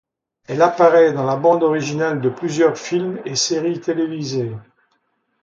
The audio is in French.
Elle apparaît dans la bande originale de plusieurs films et séries télévisées.